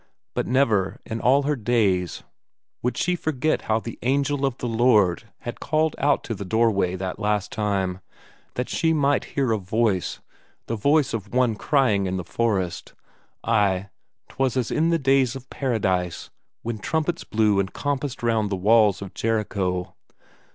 But never in all her days would she forget how the Angel of the Lord had called her out to the doorway that last time, that she might hear a voice the voice of one crying in the forest. Ay, 'twas as in the days of Paradise, when trumpets blew and compassed round the walls of Jericho....